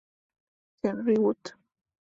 Henry Wood.